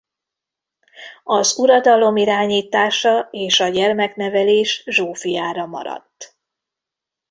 Az uradalom irányítása és a gyermeknevelés Zsófiára maradt.